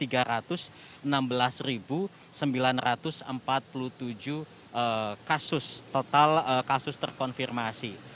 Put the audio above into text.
jadi ini adalah total sembilan ratus empat puluh tujuh kasus terkonfirmasi